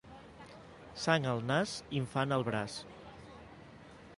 Sang al nas, infant al braç.